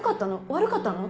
悪かったの？